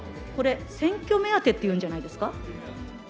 これ、選挙目当てっていうんじゃないですか。